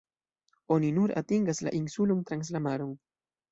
Oni nur atingas la insulon trans la maron.